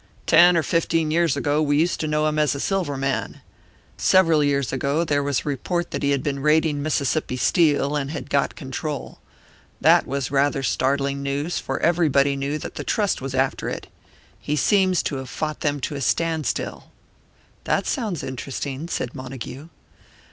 Ten or fifteen years ago we used to know him as a silver man. Several years ago there was a report that he had been raiding Mississippi Steel, and had got control. That was rather startling news, for everybody knew that the Trust was after it. He seems to have fought them to a standstill." "That sounds interesting," said Montague.